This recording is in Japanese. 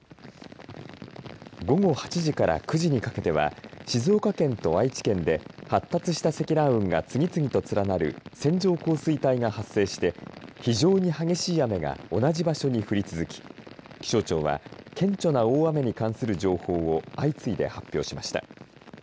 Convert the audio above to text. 午後８時から９時にかけては静岡県と愛知県で発達した積乱雲が次々と連なる線状降水帯が発生して非常に激しい雨が同じ場所に降り続き気象庁は顕著な大雨に関する情報を相次いで発表しました。